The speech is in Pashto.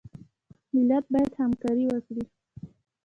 ملت باید همکاري وکړي